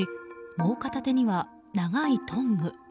もう片手には、長いトング。